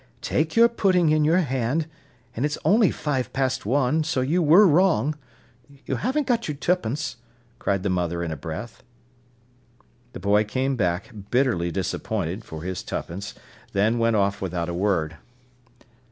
"Take your pudding in your hand—and it's only five past one, so you were wrong—you haven't got your twopence," cried the mother in a breath. The boy came back, bitterly disappointed, for his twopence, then went off without a word.